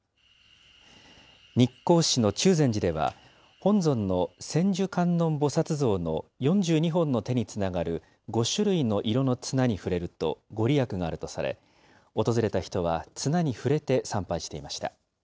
日光市の中禅寺では、本尊の千手観音菩薩像の４２本の手につながる５種類の色の綱に触れると御利益があるとされ、訪れた人は綱に触れて参拝していました。